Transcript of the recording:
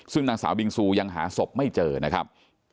ซึ่งนางสาวบิงซูยังหาศพไม่เจอนะครับ